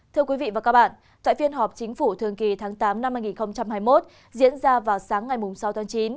thưa quý vị và các bạn tại phiên họp chính phủ thường kỳ tháng tám năm hai nghìn hai mươi một diễn ra vào sáng ngày sáu tháng chín